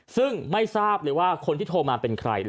ซึ่งไม่ทราบเลยว่าคนที่โทรมาเป็นใคร